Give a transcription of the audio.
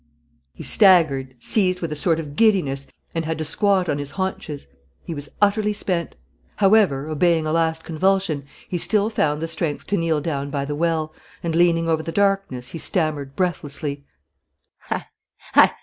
He staggered, seized with a sort of giddiness, and had to squat on his haunches. He was utterly spent. However, obeying a last convulsion, he still found the strength to kneel down by the well, and leaning over the darkness, he stammered, breathlessly: "Hi!